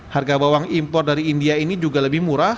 harga bawang impor dari india ini juga lebih murah